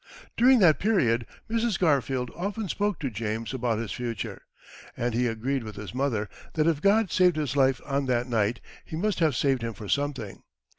During that period Mrs. Garfield often spoke to James about his future, and he agreed with his mother, that if God saved his life on that night, He must have saved him for something.